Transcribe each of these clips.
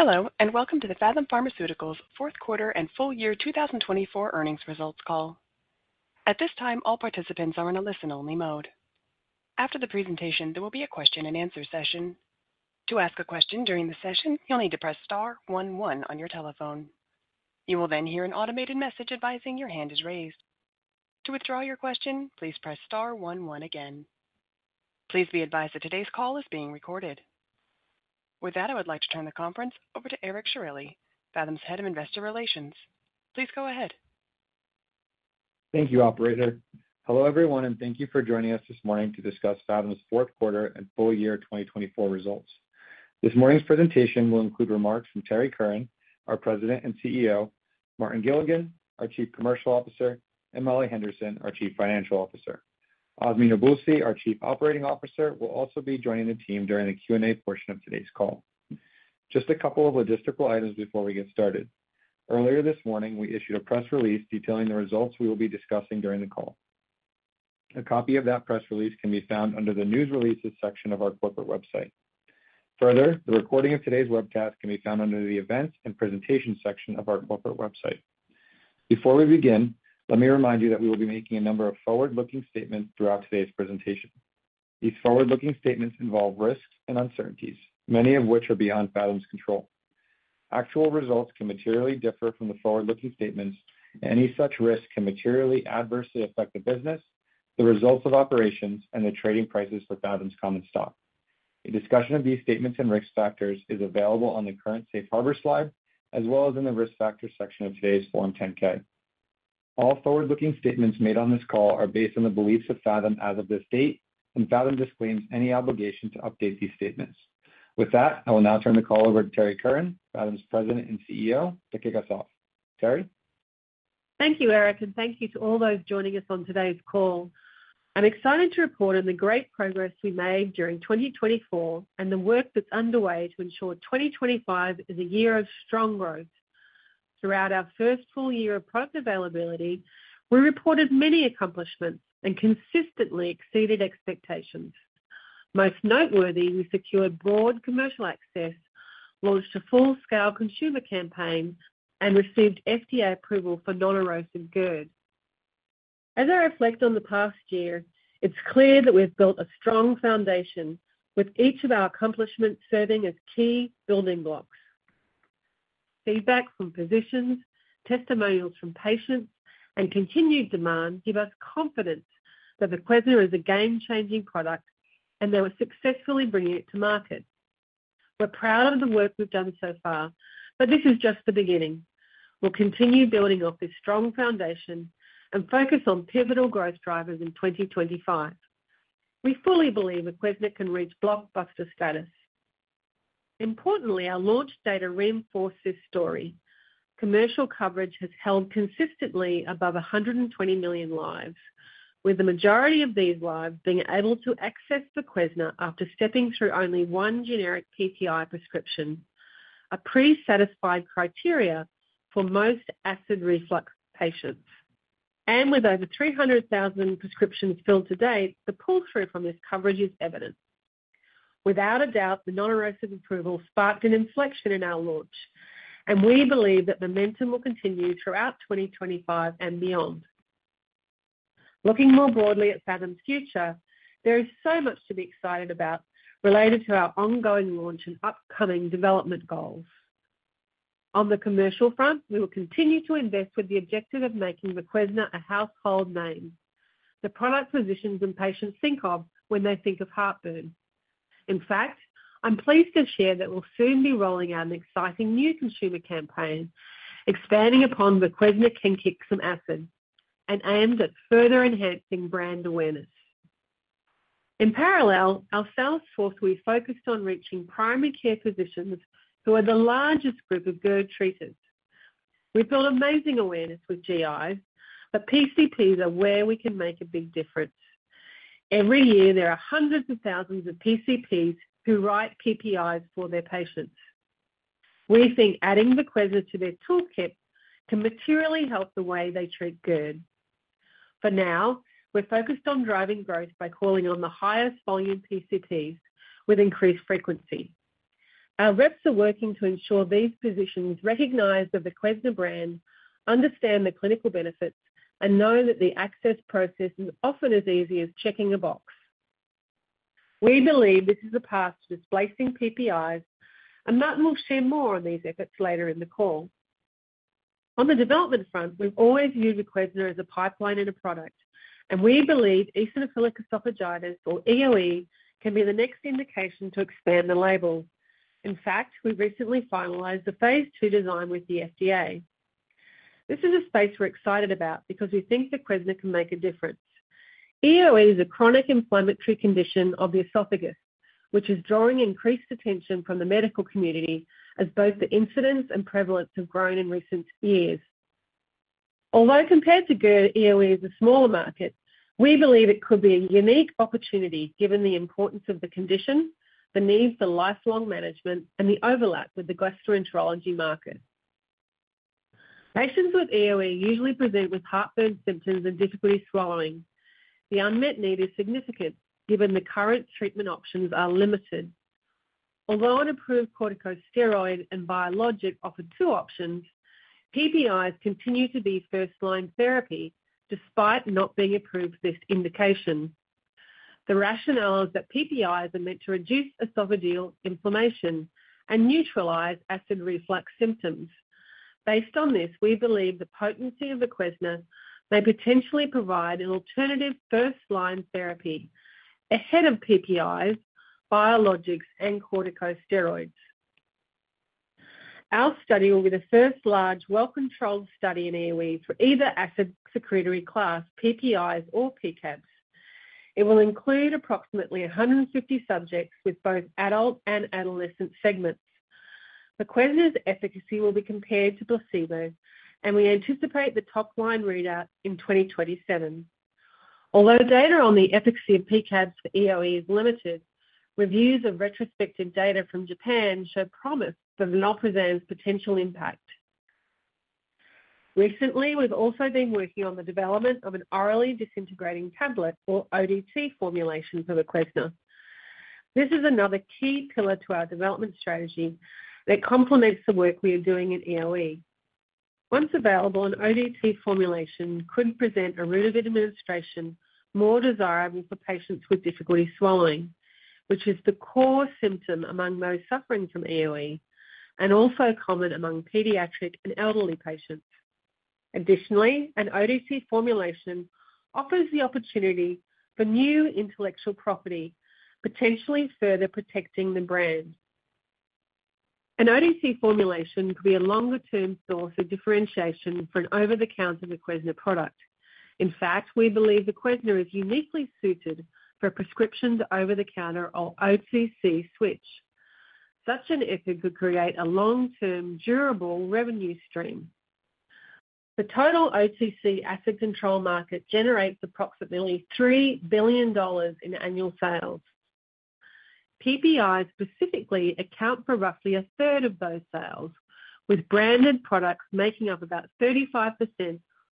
Hello, and welcome to the Phathom Pharmaceuticals fourth quarter and full year 2024 earnings results call. At this time, all participants are in a listen-only mode. After the presentation, there will be a question-and-answer session. To ask a question during the session, you'll need to press star one one on your telephone. You will then hear an automated message advising your hand is raised. To withdraw your question, please press star one one again. Please be advised that today's call is being recorded. With that, I would like to turn the conference over to Eric Sciorilli, Phathom's Head of Investor Relations. Please go ahead. Thank you, Operator. Hello, everyone, and thank you for joining us this morning to discuss Phathom's fourth quarter and full year 2024 results. This morning's presentation will include remarks from Terrie Curran, our President and CEO; Martin Gilligan, our Chief Commercial Officer; and Molly Henderson, our Chief Financial Officer. Azmi Nabulsi, our Chief Operating Officer, will also be joining the team during the Q&A portion of today's call. Just a couple of logistical items before we get started. Earlier this morning, we issued a press release detailing the results we will be discussing during the call. A copy of that press release can be found under the news releases section of our corporate website. Further, the recording of today's webcast can be found under the events and presentations section of our corporate website. Before we begin, let me remind you that we will be making a number of forward-looking statements throughout today's presentation. These forward-looking statements involve risks and uncertainties, many of which are beyond Phathom's control. Actual results can materially differ from the forward-looking statements, and any such risk can materially adversely affect the business, the results of operations, and the trading prices for Phathom's common stock. A discussion of these statements and risk factors is available on the current Safe Harbor slide, as well as in the risk factors section of today's Form 10-K. All forward-looking statements made on this call are based on the beliefs of Phathom as of this date, and Phathom disclaims any obligation to update these statements. With that, I will now turn the call over to Terrie Curran, Phathom's President and CEO, to kick us off. Terrie. Thank you, Eric, and thank you to all those joining us on today's call. I'm excited to report on the great progress we made during 2024 and the work that's underway to ensure 2025 is a year of strong growth. Throughout our first full year of product availability, we reported many accomplishments and consistently exceeded expectations. Most noteworthy, we secured broad commercial access, launched a full-scale consumer campaign, and received FDA approval for non-erosive GERD. As I reflect on the past year, it's clear that we've built a strong foundation, with each of our accomplishments serving as key building blocks. Feedback from physicians, testimonials from patients, and continued demand give us confidence that VOQUEZNA is a game-changing product and that we're successfully bringing it to market. We're proud of the work we've done so far, but this is just the beginning. We'll continue building off this strong foundation and focus on pivotal growth drivers in 2025. We fully believe VOQUEZNA can reach blockbuster status. Importantly, our launch data reinforces this story. Commercial coverage has held consistently above 120 million lives, with the majority of these lives being able to access VOQUEZNA after stepping through only one generic PPI prescription, a pre-satisfied criteria for most acid reflux patients. With over 300,000 prescriptions filled to date, the pull-through from this coverage is evident. Without a doubt, the non-erosive approval sparked an inflection in our launch, and we believe that momentum will continue throughout 2025 and beyond. Looking more broadly at Phathom's future, there is so much to be excited about related to our ongoing launch and upcoming development goals. On the commercial front, we will continue to invest with the objective of making VOQUEZNA a household name, the product physicians and patients think of when they think of heartburn. In fact, I'm pleased to share that we'll soon be rolling out an exciting new consumer campaign expanding upon the VOQUEZNA can kick some acid and aimed at further enhancing brand awareness. In parallel, our sales force will be focused on reaching primary care physicians, who are the largest group of GERD treaters. We've built amazing awareness with GIs, but PCPs are where we can make a big difference. Every year, there are hundreds of thousands of PCPs who write PPIs for their patients. We think adding the VOQUEZNA to their toolkit can materially help the way they treat GERD. For now, we're focused on driving growth by calling on the highest volume PCPs with increased frequency. Our reps are working to ensure these physicians recognize that the VOQUEZNA brand understands the clinical benefits and know that the access process is often as easy as checking a box. We believe this is a path to displacing PPIs, and Martin will share more on these efforts later in the call. On the development front, we've always viewed VOQUEZNA as a pipeline and a product, and we believe eosinophilic esophagitis, or EoE, can be the next indication to expand the label. In fact, we recently finalized the phase two design with the FDA. This is a space we're excited about because we think VOQUEZNA can make a difference. EoE is a chronic inflammatory condition of the esophagus, which is drawing increased attention from the medical community as both the incidence and prevalence have grown in recent years. Although compared to GERD, EoE is a smaller market, we believe it could be a unique opportunity given the importance of the condition, the need for lifelong management, and the overlap with the gastroenterology market. Patients with EoE usually present with heartburn symptoms and difficulty swallowing. The unmet need is significant given the current treatment options are limited. Although an approved corticosteroid and biologic offer two options, PPIs continue to be first-line therapy despite not being approved for this indication. The rationale is that PPIs are meant to reduce esophageal inflammation and neutralize acid reflux symptoms. Based on this, we believe the potency of VOQUEZNA may potentially provide an alternative first-line therapy ahead of PPIs, biologics, and corticosteroids. Our study will be the first large well-controlled study in EoE for either acid secretory class PPIs or PCABs. It will include approximately 150 subjects with both adult and adolescent segments. VOQUEZNA's efficacy will be compared to placebo, and we anticipate the top-line readout in 2027. Although data on the efficacy of PCABs for EoE is limited, reviews of retrospective data from Japan show promise for vonoprazan's potential impact. Recently, we've also been working on the development of an orally disintegrating tablet, or ODT, formulation for VOQUEZNA. This is another key pillar to our development strategy that complements the work we are doing in EoE. Once available, an ODT formulation could present a route of administration more desirable for patients with difficulty swallowing, which is the core symptom among those suffering from EoE and also common among pediatric and elderly patients. Additionally, an ODT formulation offers the opportunity for new intellectual property, potentially further protecting the brand. An ODT formulation could be a longer-term source of differentiation for an over-the-counter VOQUEZNA product. In fact, we believe VOQUEZNA is uniquely suited for a prescription-to-over-the-counter or OTC switch. Such an effort could create a long-term, durable revenue stream. The total OTC acid control market generates approximately $3 billion in annual sales. PPIs specifically account for roughly a third of those sales, with branded products making up about 35%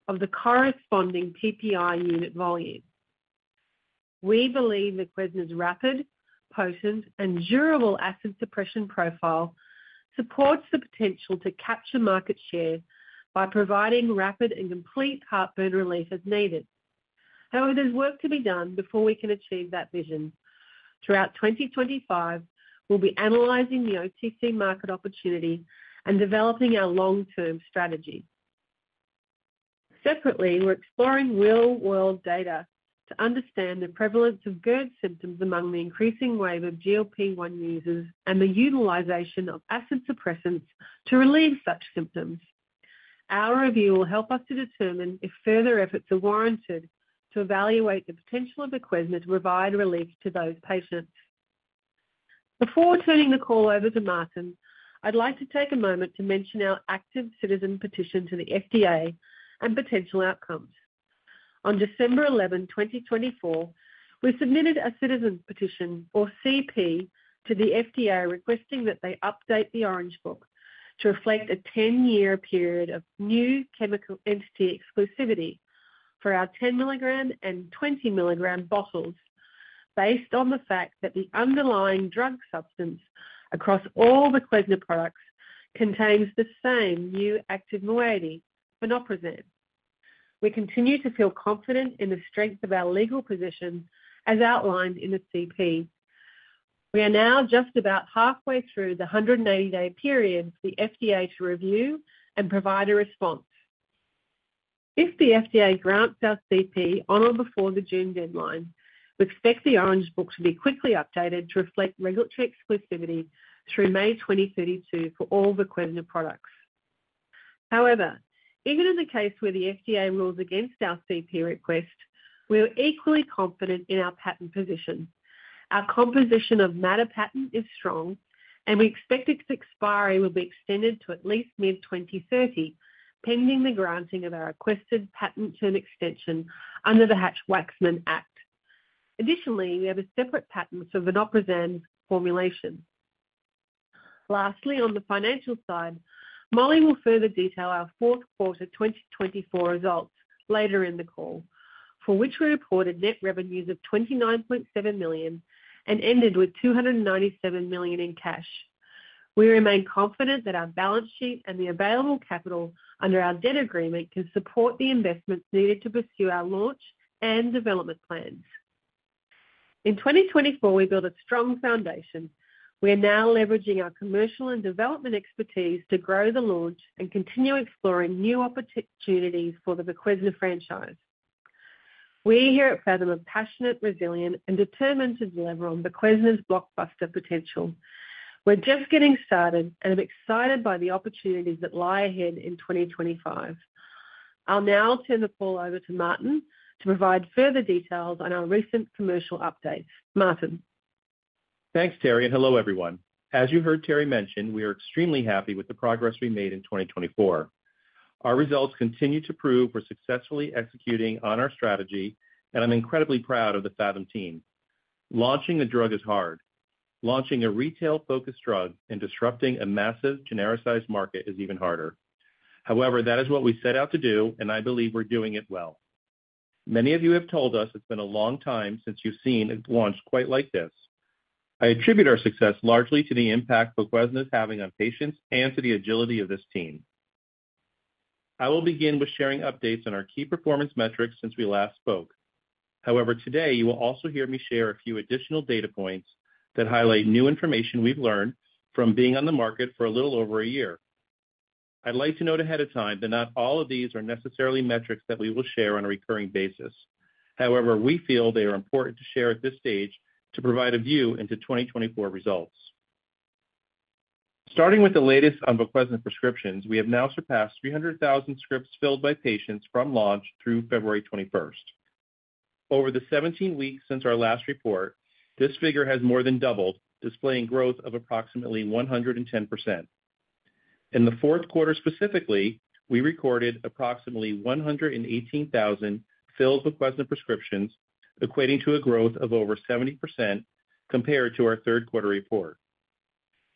of the corresponding PPI unit volume. We believe VOQUEZNA's rapid, potent, and durable acid suppression profile supports the potential to capture market share by providing rapid and complete heartburn relief as needed. However, there's work to be done before we can achieve that vision. Throughout 2025, we'll be analyzing the OTC market opportunity and developing our long-term strategy. Separately, we're exploring real-world data to understand the prevalence of GERD symptoms among the increasing wave of GLP-1 users and the utilization of acid suppressants to relieve such symptoms. Our review will help us to determine if further efforts are warranted to evaluate the potential of VOQUEZNA to provide relief to those patients. Before turning the call over to Martin, I'd like to take a moment to mention our active citizen petition to the FDA and potential outcomes. On December 11, 2024, we submitted a citizen petition, or CP, to the FDA requesting that they update the Orange Book to reflect a 10-year period of new chemical entity exclusivity for our 10 milligram and 20 milligram bottles, based on the fact that the underlying drug substance across all the VOQUEZNA products contains the same new active moiety, vonoprazan. We continue to feel confident in the strength of our legal position, as outlined in the CP. We are now just about halfway through the 180-day period for the FDA to review and provide a response. If the FDA grants our CP on or before the June deadline, we expect the Orange Book to be quickly updated to reflect regulatory exclusivity through May 2032 for all the VOQUEZNA products. However, even in the case where the FDA rules against our CP request, we are equally confident in our patent position. Our composition of matter patent is strong, and we expect its expiry will be extended to at least mid-2030, pending the granting of our requested patent term extension under the Hatch-Waxman Act. Additionally, we have a separate patent for vonoprazan formulation. Lastly, on the financial side, Molly will further detail our fourth quarter 2024 results later in the call, for which we reported net revenues of $29.7 million and ended with $297 million in cash. We remain confident that our balance sheet and the available capital under our debt agreement can support the investments needed to pursue our launch and development plans. In 2024, we built a strong foundation. We are now leveraging our commercial and development expertise to grow the launch and continue exploring new opportunities for the VOQUEZNA franchise. We here at Phathom are passionate, resilient, and determined to deliver on VOQUEZNA's blockbuster potential. We're just getting started, and I'm excited by the opportunities that lie ahead in 2025. I'll now turn the call over to Martin to provide further details on our recent commercial updates. Martin. Thanks, Terrie, and hello, everyone. As you heard Terrie mention, we are extremely happy with the progress we made in 2024. Our results continue to prove we're successfully executing on our strategy, and I'm incredibly proud of the Phathom team. Launching a drug is hard. Launching a retail-focused drug and disrupting a massive genericized market is even harder. However, that is what we set out to do, and I believe we're doing it well. Many of you have told us it's been a long time since you've seen a launch quite like this. I attribute our success largely to the impact VOQUEZNA is having on patients and to the agility of this team. I will begin with sharing updates on our key performance metrics since we last spoke. However, today, you will also hear me share a few additional data points that highlight new information we've learned from being on the market for a little over a year. I'd like to note ahead of time that not all of these are necessarily metrics that we will share on a recurring basis. However, we feel they are important to share at this stage to provide a view into 2024 results. Starting with the latest on the VOQUEZNA prescriptions, we have now surpassed 300,000 scripts filled by patients from launch through February 21st. Over the 17 weeks since our last report, this figure has more than doubled, displaying growth of approximately 110%. In the fourth quarter specifically, we recorded approximately 118,000 filled VOQUEZNA prescriptions, equating to a growth of over 70% compared to our third quarter report.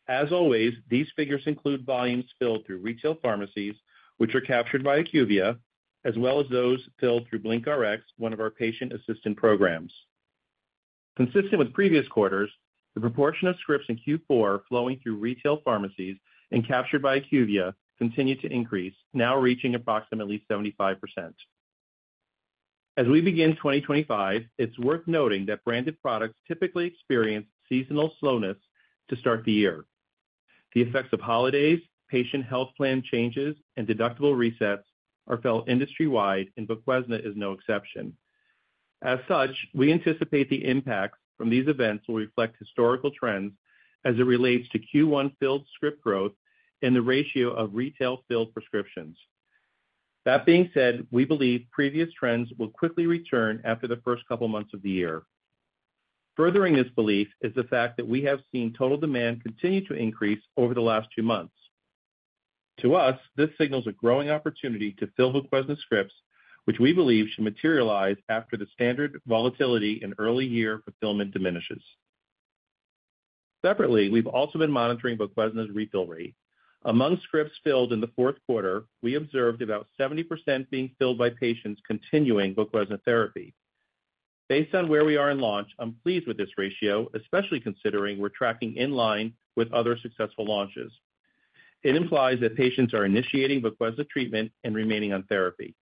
As always, these figures include volumes filled through retail pharmacies, which are captured by IQVIA, as well as those filled through BlinkRx, one of our patient assistance programs. Consistent with previous quarters, the proportion of scripts in Q4 flowing through retail pharmacies and captured by IQVIA continued to increase, now reaching approximately 75%. As we begin 2025, it's worth noting that branded products typically experience seasonal slowness to start the year. The effects of holidays, patient health plan changes, and deductible resets are felt industry-wide, and VOQUEZNA is no exception. As such, we anticipate the impacts from these events will reflect historical trends as it relates to Q1 filled script growth and the ratio of retail filled prescriptions. That being said, we believe previous trends will quickly return after the first couple of months of the year. Furthering this belief is the fact that we have seen total demand continue to increase over the last two months. To us, this signals a growing opportunity to fill the VOQUEZNA scripts, which we believe should materialize after the standard volatility and early year fulfillment diminishes. Separately, we've also been monitoring the VOQUEZNA's refill rate. Among scripts filled in the fourth quarter, we observed about 70% being filled by patients continuing the VOQUEZNA therapy. Based on where we are in launch, I'm pleased with this ratio, especially considering we're tracking in line with other successful launches. It implies that patients are initiating the VOQUEZNA treatment and remaining on therapy.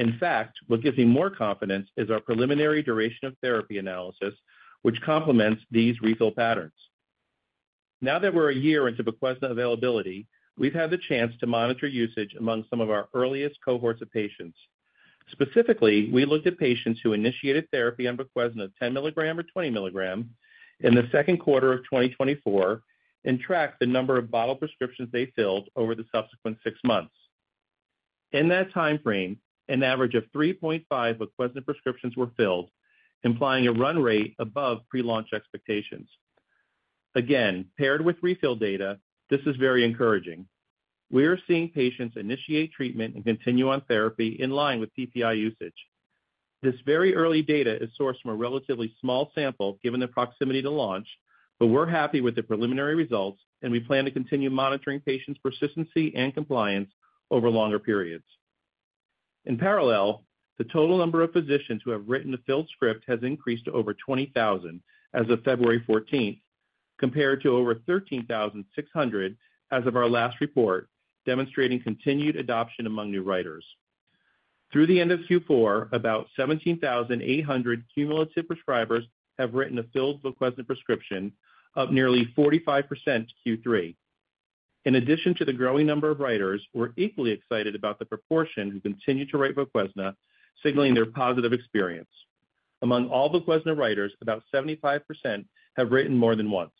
In fact, what gives me more confidence is our preliminary duration of therapy analysis, which complements these refill patterns. Now that we're a year into the VOQUEZNA availability, we've had the chance to monitor usage among some of our earliest cohorts of patients. Specifically, we looked at patients who initiated therapy on the VOQUEZNA 10 milligram or 20 milligram in the second quarter of 2024 and tracked the number of bottle prescriptions they filled over the subsequent six months. In that time frame, an average of 3.5 VOQUEZNA prescriptions were filled, implying a run rate above pre-launch expectations. Again, paired with refill data, this is very encouraging. We are seeing patients initiate treatment and continue on therapy in line with PPI usage. This very early data is sourced from a relatively small sample given the proximity to launch, but we're happy with the preliminary results, and we plan to continue monitoring patients' persistency and compliance over longer periods. In parallel, the total number of physicians who have written the filled script has increased to over 20,000 as of February 14th, compared to over 13,600 as of our last report, demonstrating continued adoption among new writers. Through the end of Q4, about 17,800 cumulative prescribers have written a filled VOQUEZNA prescription, up nearly 45% Q3. In addition to the growing number of writers, we're equally excited about the proportion who continue to write the VOQUEZNA, signaling their positive experience. Among all the VOQUEZNA writers, about 75% have written more than once.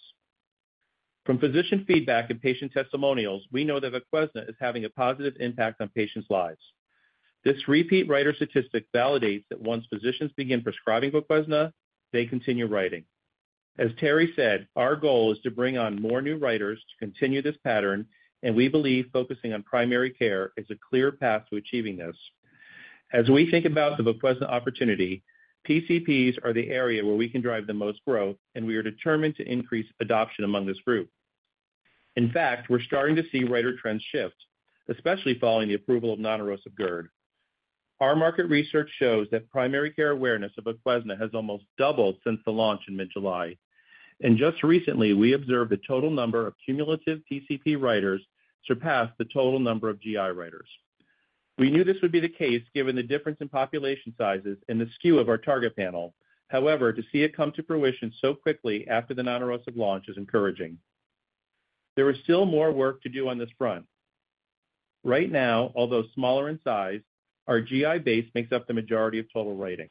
From physician feedback and patient testimonials, we know that the VOQUEZNA is having a positive impact on patients' lives. This repeat writer statistic validates that once physicians begin prescribing the VOQUEZNA, they continue writing. As Terrie said, our goal is to bring on more new writers to continue this pattern, and we believe focusing on primary care is a clear path to achieving this. As we think about the VOQUEZNA opportunity, PCPs are the area where we can drive the most growth, and we are determined to increase adoption among this group. In fact, we're starting to see writer trends shift, especially following the approval of non-erosive GERD. Our market research shows that primary care awareness of VOQUEZNA has almost doubled since the launch in mid-July. Just recently, we observed the total number of cumulative PCP writers surpass the total number of GI writers. We knew this would be the case given the difference in population sizes and the skew of our target panel. However, to see it come to fruition so quickly after the non-erosive launch is encouraging. There is still more work to do on this front. Right now, although smaller in size, our GI base makes up the majority of total writing.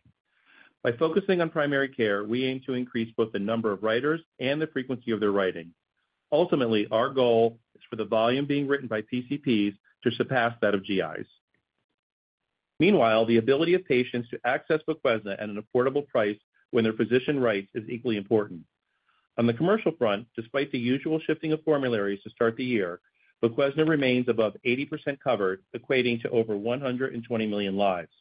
By focusing on primary care, we aim to increase both the number of writers and the frequency of their writing. Ultimately, our goal is for the volume being written by PCPs to surpass that of GIs. Meanwhile, the ability of patients to access the VOQUEZNA at an affordable price when their physician writes is equally important. On the commercial front, despite the usual shifting of formularies to start the year, the VOQUEZNA remains above 80% covered, equating to over 120 million lives.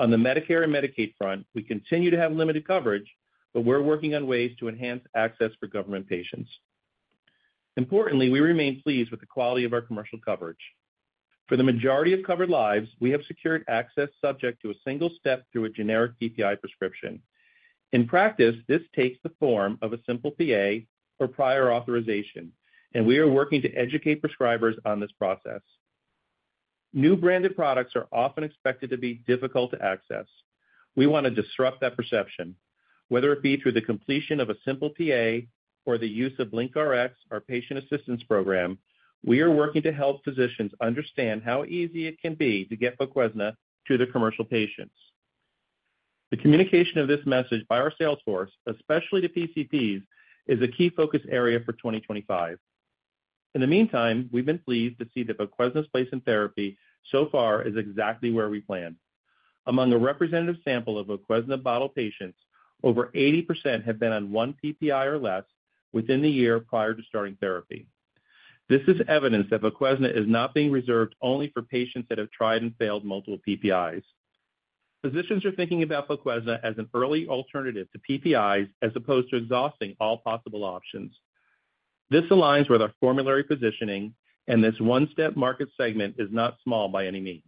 On the Medicare and Medicaid front, we continue to have limited coverage, but we're working on ways to enhance access for government patients. Importantly, we remain pleased with the quality of our commercial coverage. For the majority of covered lives, we have secured access subject to a single step through a generic PPI prescription. In practice, this takes the form of a simple PA or prior authorization, and we are working to educate prescribers on this process. New branded products are often expected to be difficult to access. We want to disrupt that perception, whether it be through the completion of a simple PA or the use of BlinkRx, our patient assistance program. We are working to help physicians understand how easy it can be to get the VOQUEZNA to their commercial patients. The communication of this message by our sales force, especially to PCPs, is a key focus area for 2025. In the meantime, we've been pleased to see that the VOQUEZNA's place in therapy so far is exactly where we planned. Among a representative sample of the VOQUEZNA bottle patients, over 80% have been on one PPI or less within the year prior to starting therapy. This is evidence that VOQUEZNA is not being reserved only for patients that have tried and failed multiple PPIs. Physicians are thinking about VOQUEZNA as an early alternative to PPIs as opposed to exhausting all possible options. This aligns with our formulary positioning, and this one-step market segment is not small by any means.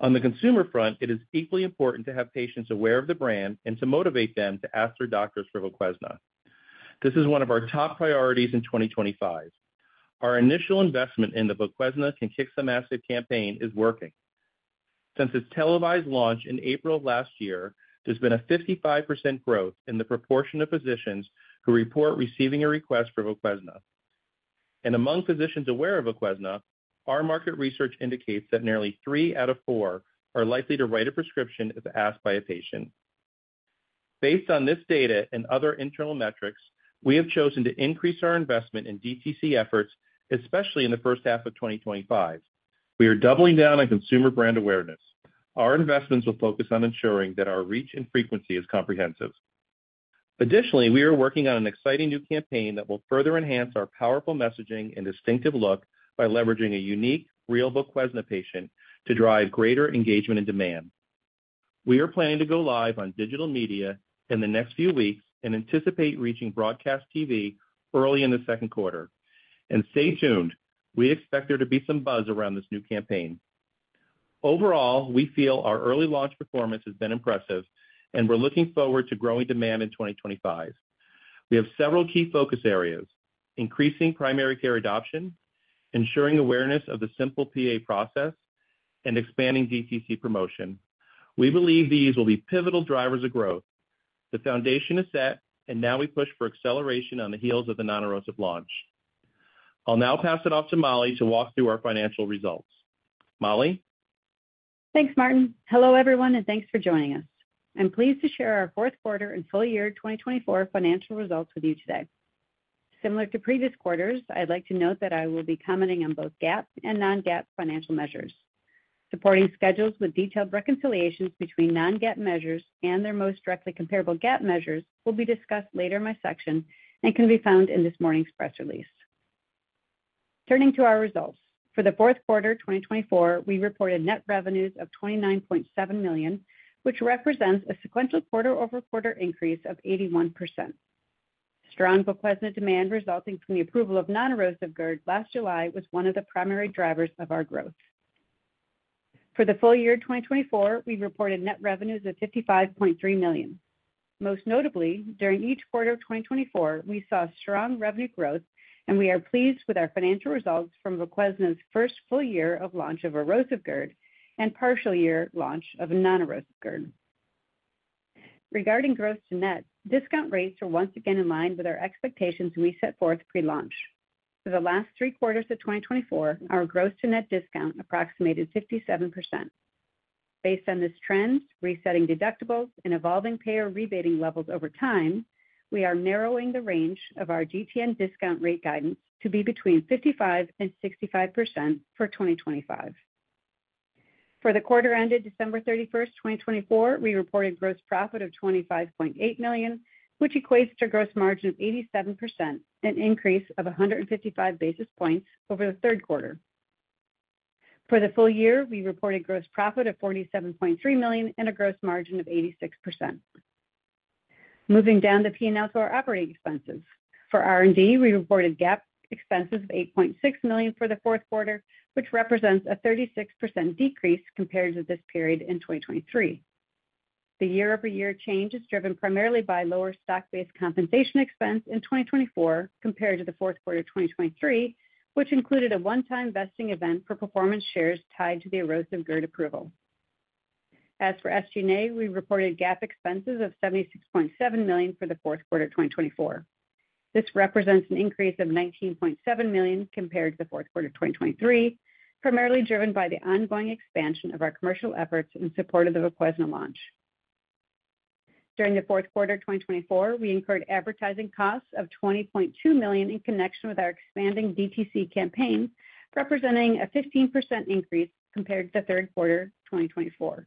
On the consumer front, it is equally important to have patients aware of the brand and to motivate them to ask their doctors for VOQUEZNA. This is one of our top priorities in 2025. Our initial investment in the VOQUEZNA Can Kick Some Acid campaign is working. Since its televised launch in April of last year, there's been a 55% growth in the proportion of physicians who report receiving a request for VOQUEZNA. Among physicians aware of VOQUEZNA, our market research indicates that nearly three out of four are likely to write a prescription if asked by a patient. Based on this data and other internal metrics, we have chosen to increase our investment in DTC efforts, especially in the first half of 2025. We are doubling down on consumer brand awareness. Our investments will focus on ensuring that our reach and frequency is comprehensive. Additionally, we are working on an exciting new campaign that will further enhance our powerful messaging and distinctive look by leveraging a unique real VOQUEZNA patient to drive greater engagement and demand. We are planning to go live on digital media in the next few weeks and anticipate reaching broadcast TV early in the second quarter. Stay tuned. We expect there to be some buzz around this new campaign. Overall, we feel our early launch performance has been impressive, and we're looking forward to growing demand in 2025. We have several key focus areas: increasing primary care adoption, ensuring awareness of the simple PA process, and expanding DTC promotion. We believe these will be pivotal drivers of growth. The foundation is set, and now we push for acceleration on the heels of the non-erosive launch. I'll now pass it off to Molly to walk through our financial results. Molly. Thanks, Martin. Hello, everyone, and thanks for joining us. I'm pleased to share our fourth quarter and full year 2024 financial results with you today. Similar to previous quarters, I'd like to note that I will be commenting on both GAAP and non-GAAP financial measures. Supporting schedules with detailed reconciliations between non-GAAP measures and their most directly comparable GAAP measures will be discussed later in my section and can be found in this morning's press release. Turning to our results, for the fourth quarter 2024, we reported net revenues of $29.7 million, which represents a sequential quarter-over-quarter increase of 81%. Strong VOQUEZNA demand resulting from the approval of non-erosive GERD last July was one of the primary drivers of our growth. For the full year 2024, we reported net revenues of $55.3 million. Most notably, during each quarter of 2024, we saw strong revenue growth, and we are pleased with our financial results from VOQUEZNA's first full year of launch of erosive GERD and partial year launch of non-erosive GERD. Regarding gross to net, discount rates are once again in line with our expectations we set forth pre-launch. For the last three quarters of 2024, our gross to net discount approximated 57%. Based on this trend, resetting deductibles and evolving payer rebating levels over time, we are narrowing the range of our GTN discount rate guidance to be between 55% and 65% for 2025. For the quarter ended December 31st, 2024, we reported gross profit of $25.8 million, which equates to a gross margin of 87%, an increase of 155 basis points over the third quarter. For the full year, we reported gross profit of $47.3 million and a gross margin of 86%. Moving down the P&L to our operating expenses. For R&D, we reported GAAP expenses of $8.6 million for the fourth quarter, which represents a 36% decrease compared to this period in 2023. The year-over-year change is driven primarily by lower stock-based compensation expense in 2024 compared to the fourth quarter of 2023, which included a one-time vesting event for performance shares tied to the erosive GERD approval. As for SG&A, we reported GAAP expenses of $76.7 million for the fourth quarter of 2024. This represents an increase of $19.7 million compared to the fourth quarter of 2023, primarily driven by the ongoing expansion of our commercial efforts in support of the VOQUEZNA launch. During the fourth quarter of 2024, we incurred advertising costs of $20.2 million in connection with our expanding DTC campaign, representing a 15% increase compared to the third quarter of 2024.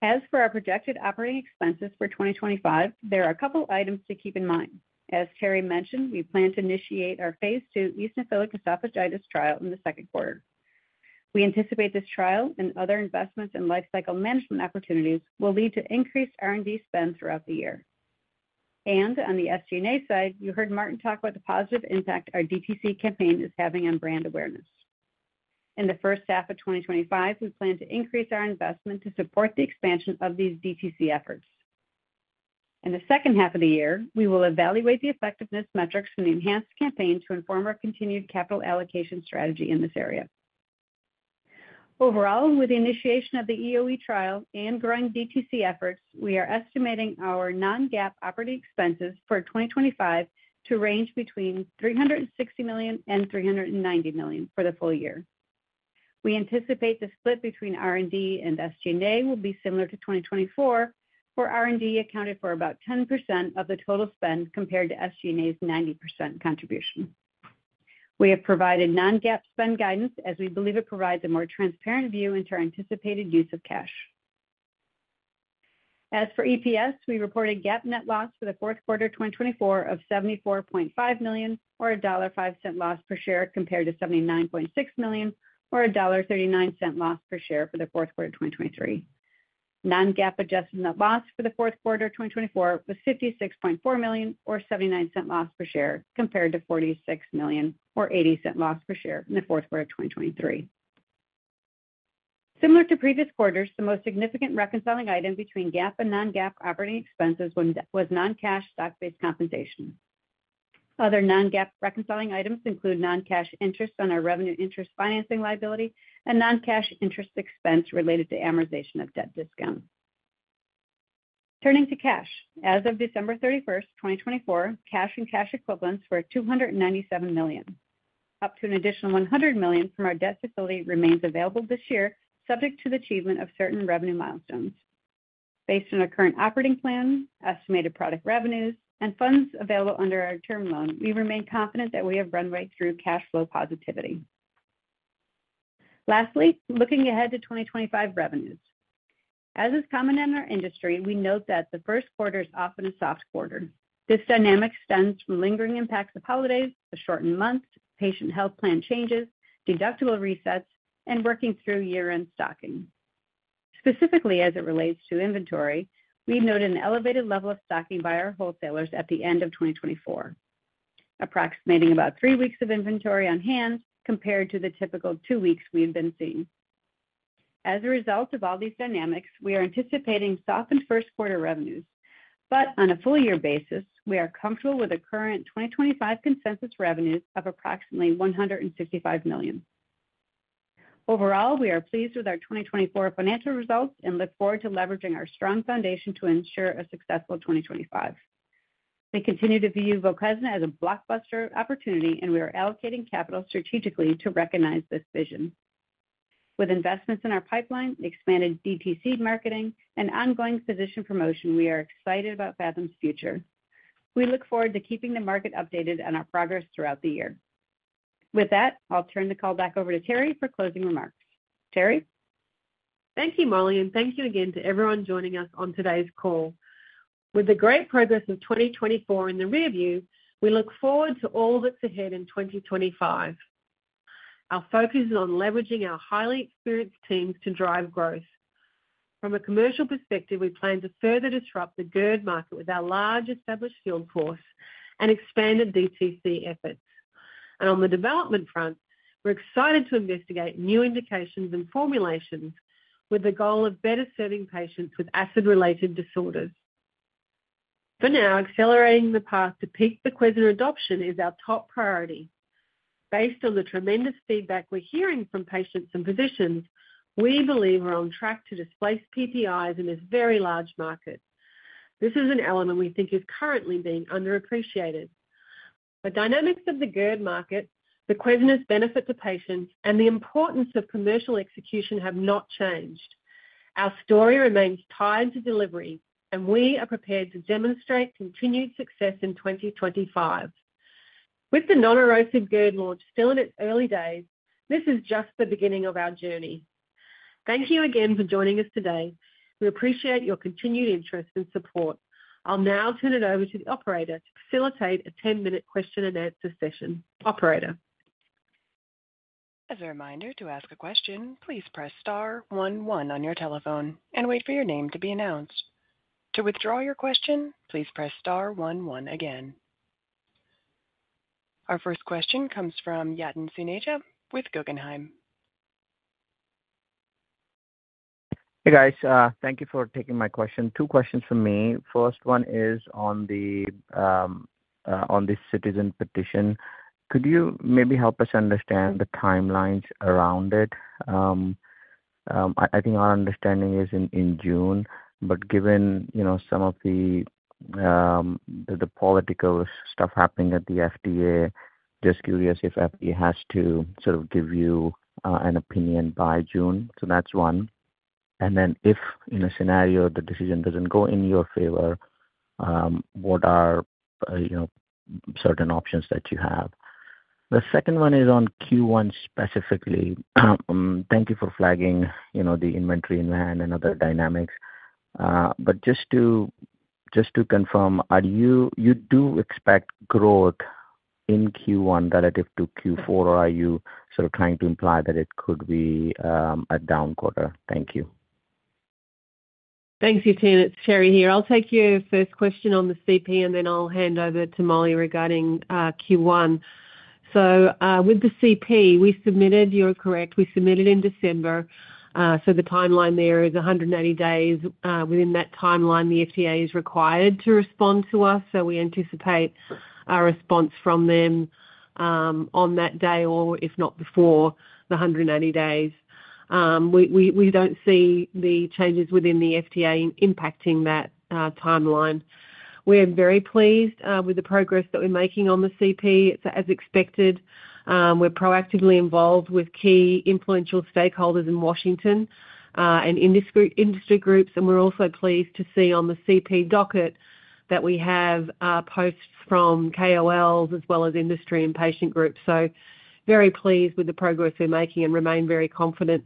As for our projected operating expenses for 2025, there are a couple of items to keep in mind. As Terrie mentioned, we plan to initiate our phase two eosinophilic esophagitis trial in the second quarter. We anticipate this trial and other investments in lifecycle management opportunities will lead to increased R&D spend throughout the year. On the SGNA side, you heard Martin talk about the positive impact our DTC campaign is having on brand awareness. In the first half of 2025, we plan to increase our investment to support the expansion of these DTC efforts. In the second half of the year, we will evaluate the effectiveness metrics from the enhanced campaign to inform our continued capital allocation strategy in this area. Overall, with the initiation of the EoE trial and growing DTC efforts, we are estimating our non-GAAP operating expenses for 2025 to range between $360 million and $390 million for the full year. We anticipate the split between R&D and SG&A will be similar to 2024, where R&D accounted for about 10% of the total spend compared to SG&A's 90% contribution. We have provided non-GAAP spend guidance as we believe it provides a more transparent view into our anticipated use of cash. As for EPS, we reported GAAP net loss for the fourth quarter of 2024 of $74.5 million, or a $1.05 loss per share compared to $79.6 million, or a $1.39 loss per share for the fourth quarter of 2023. Non-GAAP adjusted net loss for the fourth quarter of 2024 was $56.4 million, or $0.79 loss per share compared to $46 million, or $0.80 loss per share in the fourth quarter of 2023. Similar to previous quarters, the most significant reconciling item between GAAP and non-GAAP operating expenses was non-cash stock-based compensation. Other non-GAAP reconciling items include non-cash interest on our revenue interest financing liability and non-cash interest expense related to amortization of debt discount. Turning to cash, as of December 31st, 2024, cash and cash equivalents were $297 million, up to an additional $100 million from our debt facility remains available this year, subject to the achievement of certain revenue milestones. Based on our current operating plan, estimated product revenues, and funds available under our term loan, we remain confident that we have run right through cash flow positivity. Lastly, looking ahead to 2025 revenues. As is common in our industry, we note that the first quarter is often a soft quarter. This dynamic stems from lingering impacts of holidays, the shortened months, patient health plan changes, deductible resets, and working through year-end stocking. Specifically, as it relates to inventory, we noted an elevated level of stocking by our wholesalers at the end of 2024, approximating about three weeks of inventory on hand compared to the typical two weeks we have been seeing. As a result of all these dynamics, we are anticipating softened first quarter revenues, but on a full year basis, we are comfortable with the current 2025 consensus revenues of approximately $165 million. Overall, we are pleased with our 2024 financial results and look forward to leveraging our strong foundation to ensure a successful 2025. We continue to view VOQUEZNA as a blockbuster opportunity, and we are allocating capital strategically to recognize this vision. With investments in our pipeline, expanded DTC marketing, and ongoing physician promotion, we are excited about Phathom's future. We look forward to keeping the market updated on our progress throughout the year. With that, I'll turn the call back over to Terrie for closing remarks. Terrie. Thank you, Molly, and thank you again to everyone joining us on today's call. With the great progress of 2024 in the rearview, we look forward to all that's ahead in 2025. Our focus is on leveraging our highly experienced teams to drive growth. From a commercial perspective, we plan to further disrupt the GERD market with our large established field force and expanded DTC efforts. On the development front, we're excited to investigate new indications and formulations with the goal of better serving patients with acid-related disorders. For now, accelerating the path to peak VOQUEZNA adoption is our top priority. Based on the tremendous feedback we're hearing from patients and physicians, we believe we're on track to displace PPIs in this very large market. This is an element we think is currently being underappreciated. The dynamics of the GERD market, VOQUEZNA's benefit to patients, and the importance of commercial execution have not changed. Our story remains tied to delivery, and we are prepared to demonstrate continued success in 2025. With the non-erosive GERD launch still in its early days, this is just the beginning of our journey. Thank you again for joining us today. We appreciate your continued interest and support. I'll now turn it over to the operator to facilitate a 10-minute question and answer session. Operator. As a reminder, to ask a question, please press star one one on your telephone and wait for your name to be announced. To withdraw your question, please press star one one again. Our first question comes from Yatin Suneja with Guggenheim. Hey, guys. Thank you for taking my question. Two questions for me. First one is on this citizen petition. Could you maybe help us understand the timelines around it? I think our understanding is in June, but given some of the political stuff happening at the FDA, just curious if FDA has to sort of give you an opinion by June. That is one. If in a scenario the decision does not go in your favor, what are certain options that you have? The second one is on Q1 specifically. Thank you for flagging the inventory in hand and other dynamics. Just to confirm, you do expect growth in Q1 relative to Q4, or are you sort of trying to imply that it could be a down quarter? Thank you. Thanks, Yaten. It's Terrie here. I'll take your first question on the CP, and then I'll hand over to Molly regarding Q1. With the CP, we submitted—you are correct—we submitted in December. The timeline there is 180 days. Within that timeline, the FDA is required to respond to us, so we anticipate a response from them on that day or, if not, before the 180 days. We do not see the changes within the FDA impacting that timeline. We are very pleased with the progress that we are making on the CP. It is as expected. We are proactively involved with key influential stakeholders in Washington and industry groups, and we are also pleased to see on the CP docket that we have posts from KOLs as well as industry and patient groups. Very pleased with the progress we are making and remain very confident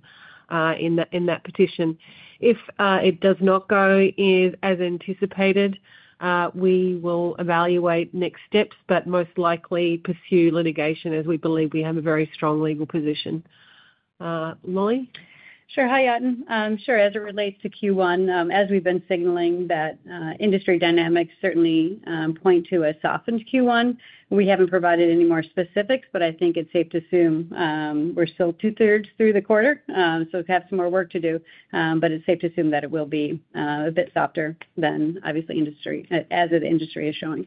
in that petition. If it does not go as anticipated, we will evaluate next steps, but most likely pursue litigation as we believe we have a very strong legal position. Molly? Sure. Hi, Yatten. Sure. As it relates to Q1, as we've been signaling that industry dynamics certainly point to a softened Q1, we haven't provided any more specifics, but I think it's safe to assume we're still two-thirds through the quarter. We have some more work to do, but it's safe to assume that it will be a bit softer than, obviously, industry as the industry is showing.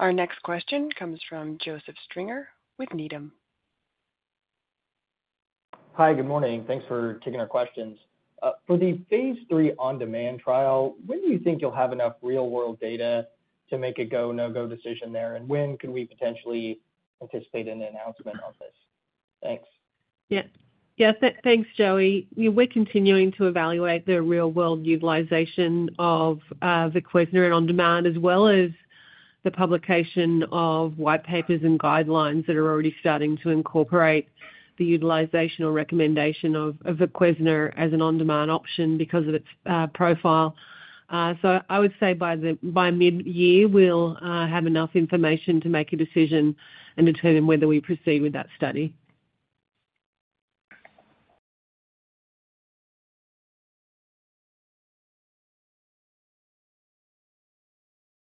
Our next question comes from Joseph Stringer with Needham. Hi, good morning. Thanks for taking our questions. For the phase three on-demand trial, when do you think you'll have enough real-world data to make a go, no-go decision there? When can we potentially anticipate an announcement on this? Thanks. Yes. Yes. Thanks, Joey. We're continuing to evaluate the real-world utilization of VOQUEZNA on-demand as well as the publication of white papers and guidelines that are already starting to incorporate the utilization or recommendation of VOQUEZNA as an on-demand option because of its profile. I would say by mid-year, we'll have enough information to make a decision and determine whether we proceed with that study.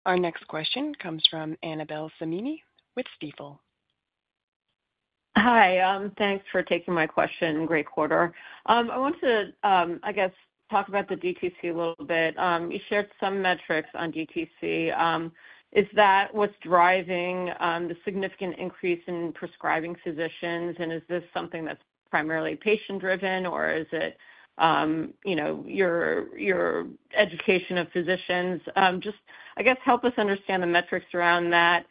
Our next question comes from Annabelle Samini with Steeple. Hi. Thanks for taking my question. Great quarter. I want to, I guess, talk about the DTC a little bit. You shared some metrics on DTC. Is that what's driving the significant increase in prescribing physicians? Is this something that's primarily patient-driven, or is it your education of physicians? Just, I guess, help us understand the metrics around that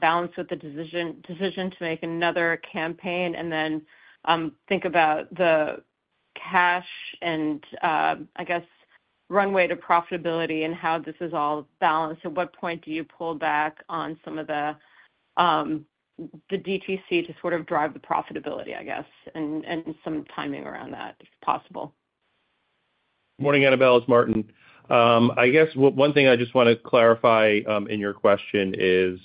balance with the decision to make another campaign and then think about the cash and, I guess, runway to profitability and how this is all balanced. At what point do you pull back on some of the DTC to sort of drive the profitability, I guess, and some timing around that, if possible? Morning, Annabelle. It's Martin. I guess one thing I just want to clarify in your question is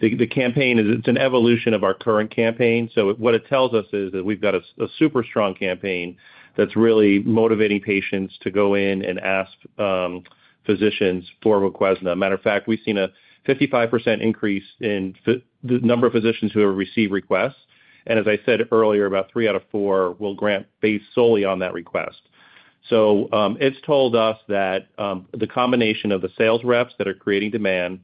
the campaign is it's an evolution of our current campaign. What it tells us is that we've got a super strong campaign that's really motivating patients to go in and ask physicians for VOQUEZNA. Matter of fact, we've seen a 55% increase in the number of physicians who have received requests. As I said earlier, about three out of four will grant based solely on that request. It has told us that the combination of the sales reps that are creating demand,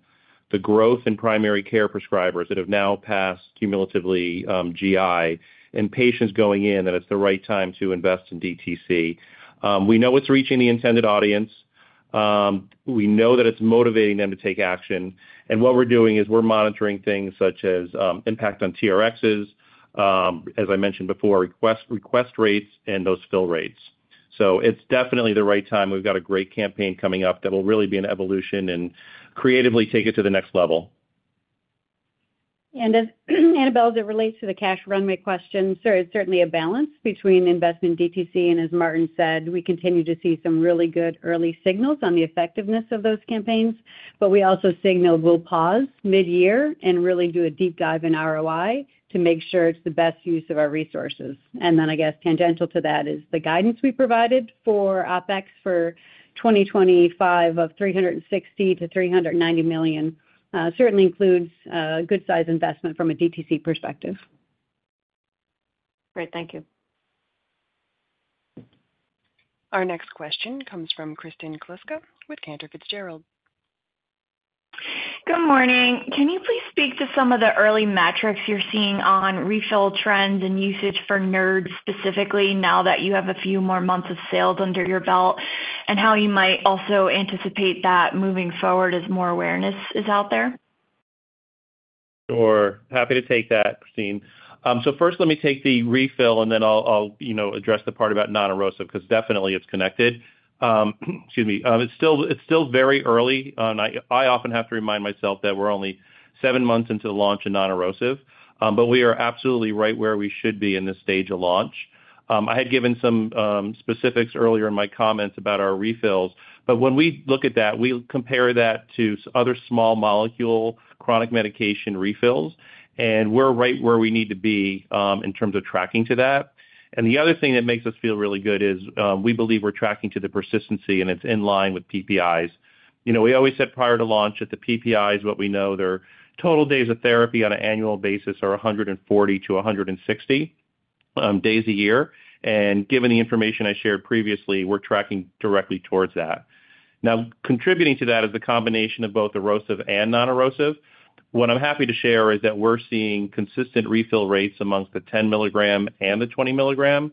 the growth in primary care prescribers that have now passed cumulatively GI, and patients going in, that it's the right time to invest in DTC. We know it's reaching the intended audience. We know that it's motivating them to take action. What we're doing is we're monitoring things such as impact on TRXs, as I mentioned before, request rates and those fill rates. It is definitely the right time. We've got a great campaign coming up that will really be an evolution and creatively take it to the next level. Annabelle, as it relates to the cash runway question, it is certainly a balance between investment in DTC and, as Martin said, we continue to see some really good early signals on the effectiveness of those campaigns, but we also signal we will pause mid-year and really do a deep dive in ROI to make sure it is the best use of our resources. I guess, tangential to that is the guidance we provided for OPEX for 2025 of $360 million-$390 million certainly includes a good size investment from a DTC perspective. Great. Thank you. Our next question comes from Kristen Kluska with Cantor Fitzgerald. Good morning. Can you please speak to some of the early metrics you're seeing on refill trends and usage for NERD specifically now that you have a few more months of sales under your belt and how you might also anticipate that moving forward as more awareness is out there? Sure. Happy to take that, Christine. First, let me take the refill, and then I'll address the part about non-erosive because definitely it's connected. Excuse me. It's still very early. I often have to remind myself that we're only seven months into the launch of non-erosive, but we are absolutely right where we should be in this stage of launch. I had given some specifics earlier in my comments about our refills, but when we look at that, we compare that to other small molecule chronic medication refills, and we're right where we need to be in terms of tracking to that. The other thing that makes us feel really good is we believe we're tracking to the persistency, and it's in line with PPIs. We always said prior to launch that the PPIs, what we know, their total days of therapy on an annual basis are 140-160 days a year. Given the information I shared previously, we're tracking directly towards that. Now, contributing to that is the combination of both erosive and non-erosive. What I'm happy to share is that we're seeing consistent refill rates amongst the 10 milligram and the 20 milligram.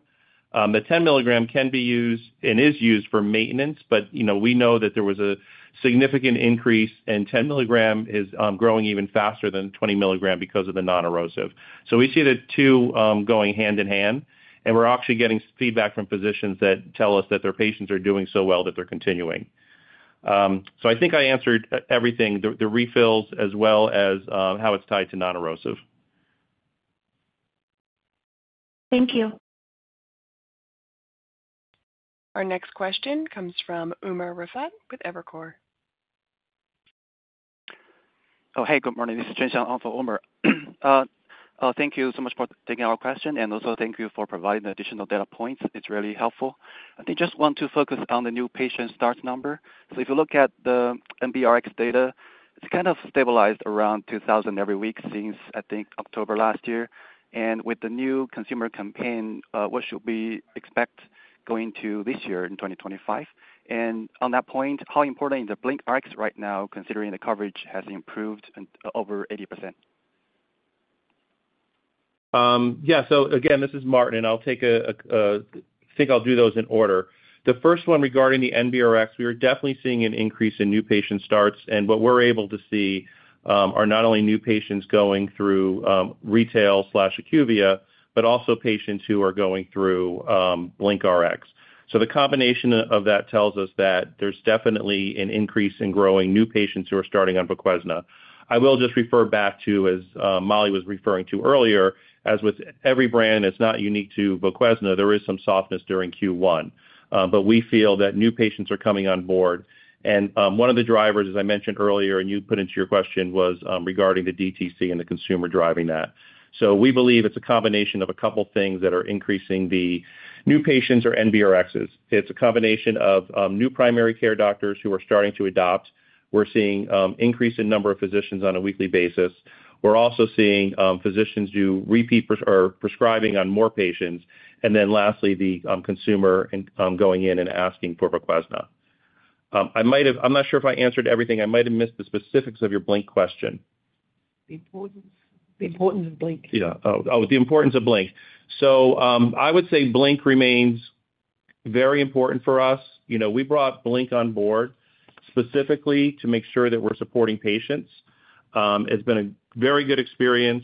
The 10 milligram can be used and is used for maintenance, but we know that there was a significant increase, and 10 milligram is growing even faster than 20 milligram because of the non-erosive. We see the two going hand in hand, and we're actually getting feedback from physicians that tell us that their patients are doing so well that they're continuing. I think I answered everything, the refills as well as how it's tied to non-erosive. Thank you. Our next question comes from Umar Rifaat with Evercore. Oh, hey, good morning. This is Chen Xiang for Umar. Thank you so much for taking our question, and also thank you for providing the additional data points. It's really helpful. I think just want to focus on the new patient start number. If you look at the MBRX data, it's kind of stabilized around 2,000 every week since, I think, October last year. With the new consumer campaign, what should we expect going to this year in 2025? On that point, how important is the BlinkRx right now, considering the coverage has improved over 80%? Yeah. This is Martin, and I'll take a—I think I'll do those in order. The first one regarding the MBRX, we are definitely seeing an increase in new patient starts, and what we're able to see are not only new patients going through retail/IQVIA, but also patients who are going through BlinkRx. The combination of that tells us that there's definitely an increase in growing new patients who are starting on VOQUEZNA. I will just refer back to, as Molly was referring to earlier, as with every brand, it's not unique to VOQUEZNA. There is some softness during Q1, but we feel that new patients are coming on board. One of the drivers, as I mentioned earlier, and you put into your question, was regarding the DTC and the consumer driving that. We believe it's a combination of a couple of things that are increasing the new patients or MBRXs. It's a combination of new primary care doctors who are starting to adopt. We're seeing an increase in the number of physicians on a weekly basis. We're also seeing physicians do repeat prescribing on more patients. Lastly, the consumer going in and asking for VOQUEZNA. I'm not sure if I answered everything. I might have missed the specifics of your BlinkRx question. The importance of BlinkRx. Yeah. Oh, the importance of Blink. I would say Blink remains very important for us. We brought Blink on board specifically to make sure that we're supporting patients. It's been a very good experience,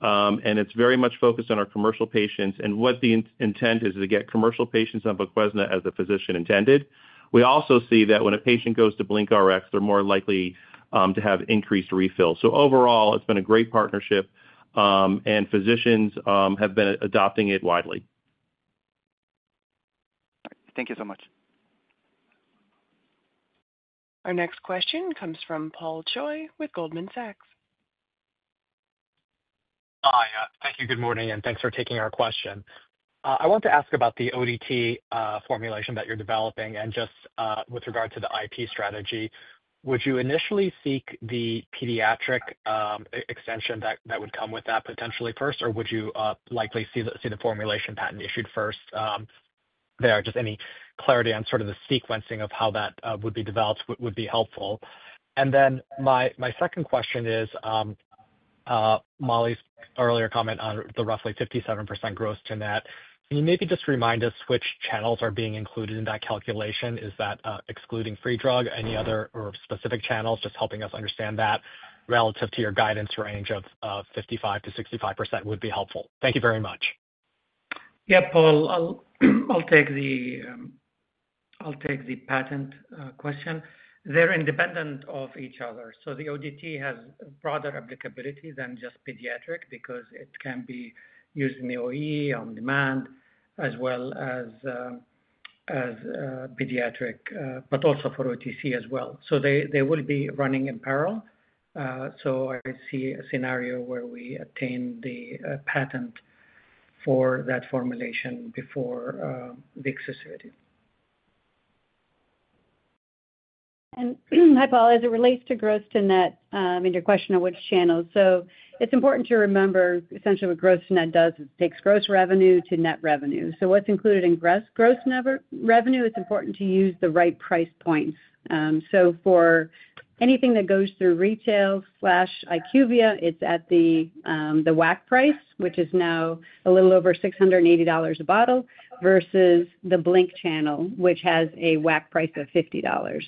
and it's very much focused on our commercial patients. What the intent is to get commercial patients on VOQUEZNA as the physician intended. We also see that when a patient goes to BlinkRx, they're more likely to have increased refills. Overall, it's been a great partnership, and physicians have been adopting it widely. Thank you so much. Our next question comes from Paul Choi with Goldman Sachs. Hi. Thank you. Good morning, and thanks for taking our question. I want to ask about the ODT formulation that you're developing and just with regard to the IP strategy. Would you initially seek the pediatric extension that would come with that potentially first, or would you likely see the formulation patent issued first? Any clarity on sort of the sequencing of how that would be developed would be helpful. My second question is Molly's earlier comment on the roughly 57% gross to net. Can you maybe just remind us which channels are being included in that calculation? Is that excluding free drug? Any other or specific channels? Just helping us understand that relative to your guidance range of 55-65% would be helpful. Thank you very much. Yeah, Paul. I'll take the patent question. They're independent of each other. The ODT has broader applicability than just pediatric because it can be used in the OE on demand as well as pediatric, but also for OTC as well. They will be running in parallel. I see a scenario where we attain the patent for that formulation before the exclusivity. Hi, Paul. As it relates to gross to net and your question of which channels, it's important to remember essentially what gross to net does is it takes gross revenue to net revenue. What's included in gross revenue, it's important to use the right price points. For anything that goes through retail/IQVIA, it's at the WAC price, which is now a little over $680 a bottle versus the Blink channel, which has a WAC price of $50.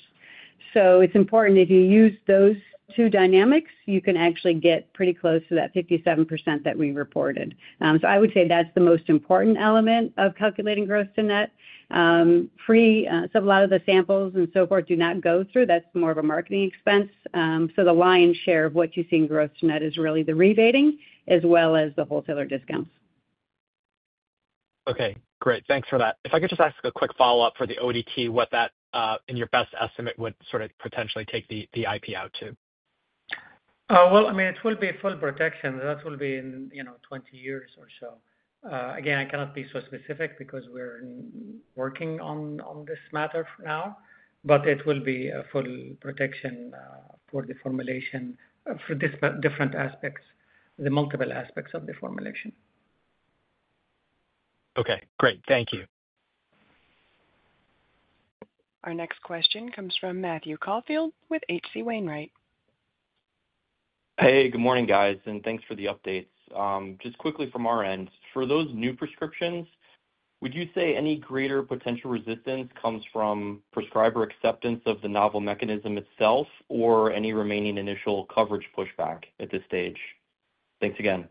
If you use those two dynamics, you can actually get pretty close to that 57% that we reported. I would say that's the most important element of calculating gross to net. A lot of the samples and so forth do not go through. That's more of a marketing expense. The lion's share of what you see in gross to net is really the rebating as well as the wholesaler discounts. Okay. Great. Thanks for that. If I could just ask a quick follow-up for the ODT, what that in your best estimate would sort of potentially take the IP out to? I mean, it will be full protection. That will be in 20 years or so. Again, I cannot be so specific because we're working on this matter now, but it will be a full protection for the formulation for different aspects, the multiple aspects of the formulation. Okay. Great. Thank you. Our next question comes from Matthew Caulfield with HC Wainwright. Hey, good morning, guys, and thanks for the updates. Just quickly from our end, for those new prescriptions, would you say any greater potential resistance comes from prescriber acceptance of the novel mechanism itself or any remaining initial coverage pushback at this stage? Thanks again.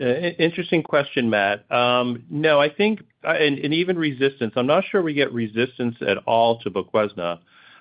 Interesting question, Matt. No, I think and even resistance, I'm not sure we get resistance at all to VOQUEZNA.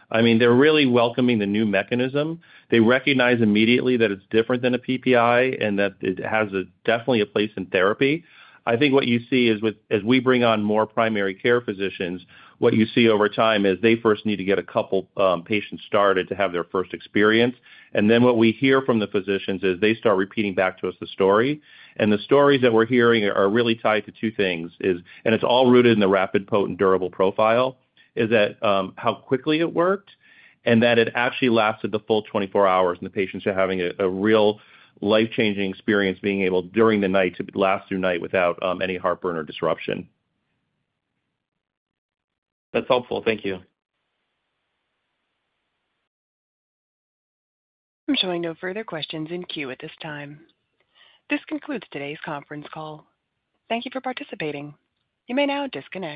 I mean, they're really welcoming the new mechanism. They recognize immediately that it's different than a PPI and that it has definitely a place in therapy. I think what you see is as we bring on more primary care physicians, what you see over time is they first need to get a couple of patients started to have their first experience. I mean, what we hear from the physicians is they start repeating back to us the story. The stories that we're hearing are really tied to two things, and it's all rooted in the rapid, potent, durable profile, is that how quickly it worked and that it actually lasted the full 24 hours and the patients are having a real life-changing experience being able during the night to last through night without any heartburn or disruption. That's helpful. Thank you. There are no further questions in queue at this time. This concludes today's conference call. Thank you for participating. You may now disconnect.